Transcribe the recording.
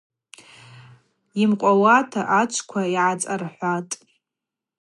Йымкъвауата ачвква ацӏархӏвахтӏ.